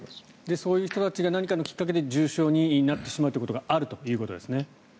そういう人たちが何かのきっかけで重症化してしまうことがあるということですね。